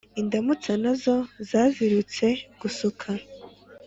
Indamutsa nazo zazirutse gusuka